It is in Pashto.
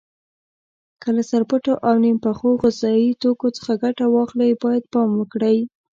که له سرپټو او نیم پخو غذایي توکو څخه ګټه اخلئ باید پام وکړئ.